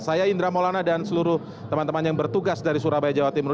saya indra maulana dan seluruh teman teman yang bertugas dari surabaya jawa timur